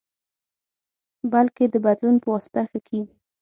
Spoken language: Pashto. بلکې د بدلون پواسطه ښه کېږي.